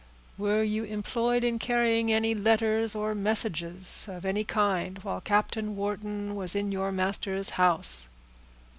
"Were you employed in carrying any letters or messages of any kind while Captain Wharton was in your master's house?"